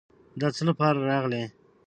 د څه لپاره راغلې.